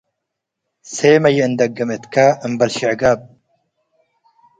ሴመ ይእንደግም እትከ - አምበል ሽዕጋብ፣